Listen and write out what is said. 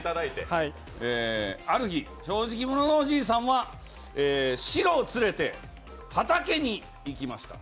ある日、正直者のおじいさんはシロを連れて畑に行きました。